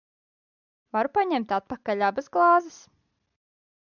Varu paņemt atpakaļ abas glāzes?